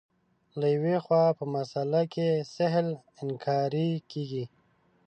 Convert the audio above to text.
له یوې خوا په مسأله کې سهل انګاري کېږي.